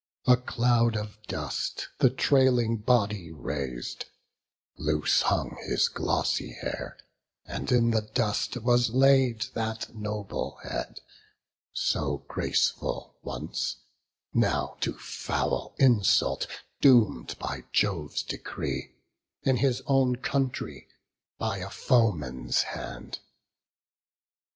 A cloud of dust the trailing body rais'd: Loose hung his glossy hair; and in the dust Was laid that noble head, so graceful once; Now to foul insult doom'd by Jove's decree, In his own country, by a foeman's hand.